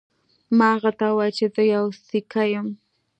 ما هغه ته وویل چې زه یو سیکه یم.